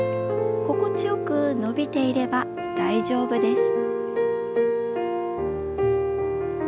心地よく伸びていれば大丈夫です。